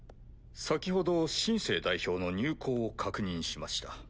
先ほど「シン・セー」代表の入港を確認しました。